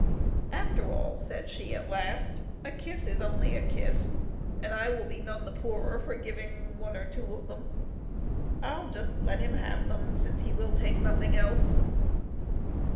" After all," said she, at last, " a kiss is only a kiss, and I will be none the poorer for giving one or two of them ; I'll just let him have them, since he will take nothing else."